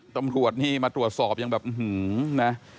ตำรวจนี่มาตรวจสอบอย่างแบบหื้อนะ